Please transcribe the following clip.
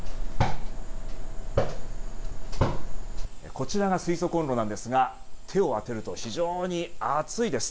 こちらが水素コンロなんですが手を当てると非常に熱いです。